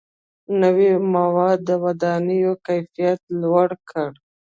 • نوي موادو د ودانیو کیفیت لوړ کړ.